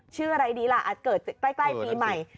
ชื่ออะไรดีล่ะอาจเกิดใกล้ปีใหม่